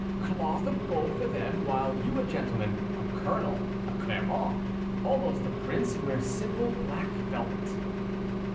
"Cloth of gold for them, while you a gentleman, a colonel, a Clermont, almost a prince, wear simple black velvet."